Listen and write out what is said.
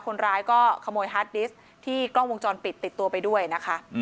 คนร้ายก็ขโมยฮาร์ดดิสต์ที่กล้องวงจรปิดติดตัวไปด้วยนะคะ